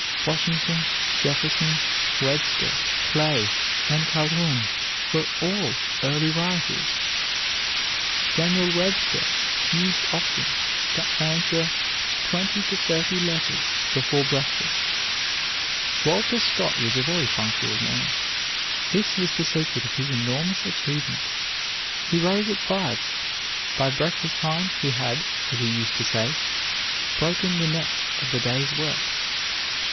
Washington, Jefferson, Webster, Clay, and Calhoun were all early risers. Daniel Webster used often to answer twenty to thirty letters before breakfast. Walter Scott was a very punctual man. This was the secret of his enormous achievements. He rose at five. By breakfast time he had, as he used to say, broken the neck of the day's work.